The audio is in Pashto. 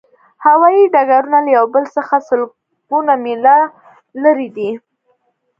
هوایی ډګرونه له یو بل څخه سلګونه میله لرې دي